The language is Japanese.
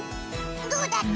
どうだった？